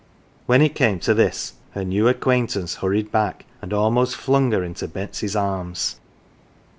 AVhen it came to this her new acquaintance hurried back and almost flung her into Betsy "s arms.